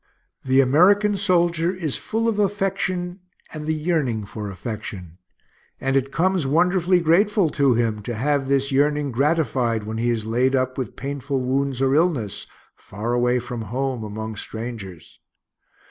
The American soldier is full of affection and the yearning for affection. And it comes wonderfully grateful to him to have this yearning gratified when he is laid up with painful wounds or illness, far away from home, among strangers.